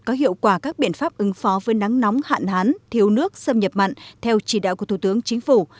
có hiệu quả các biện pháp ứng phó với nắng nóng hạn hán thiếu nước xâm nhập mặn theo chỉ đạo của thủ tướng chính phủ